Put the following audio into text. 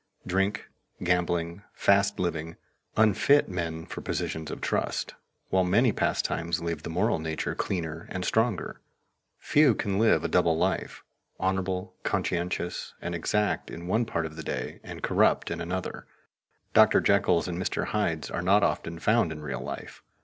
Drink, gambling, fast living, unfit men for positions of trust, while many pastimes leave the moral nature cleaner and stronger. Few can live a double life honorable, conscientious, and exact in one part of the day, and corrupt in another. Dr. Jekylls and Mr. Hydes are not often found in real life.